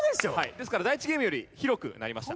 ですから第１ゲームより広くなりました。